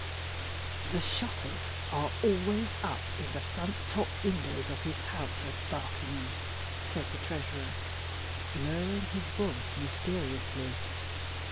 "The shutters are always up in the front top windows of his house at Barkingham," said the Treasurer, lowering his voice mysteriously.